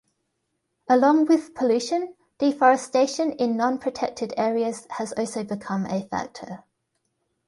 Along with pollution, deforestation in non-protected areas has also become a factor.